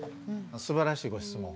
すばらしいご質問。